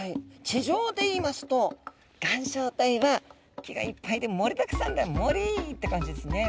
地上で言いますと岩礁帯は木がいっぱいで盛りだくさんだ森って感じですね。